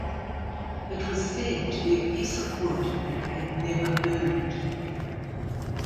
It was said to be a piece of wood that had never burnt.